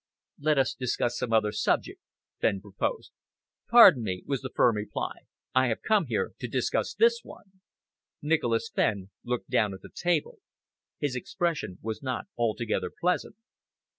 "Let us discuss some other subject," Fenn proposed. "Pardon me," was the firm reply. "I have come here to discuss this one." Nicholas Fenn looked down at the table. His expression was not altogether pleasant.